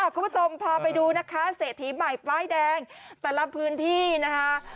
คุณผู้ชมพาไปดูนะคะเศรษฐีใหม่ป้ายแดงแต่ละพื้นที่นะคะ